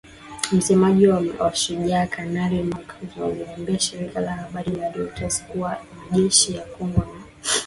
Msemaji wa Shujaa, Kanali Mak Hazukay aliliambia shirika la habari la reuters kuwa majeshi ya Kongo na Uganda yalitia saini Juni mosi.